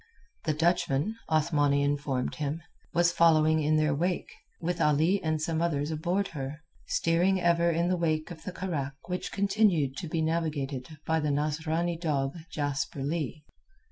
The Dutchman, Othmani informed him, was following in their wake, with Ali and some others aboard her, steering ever in the wake of the carack which continued to be navigated by the Nasrani dog, Jasper Leigh.